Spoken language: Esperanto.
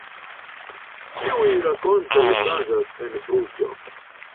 Ĉiuj rakontoj okazas en Bruĝo.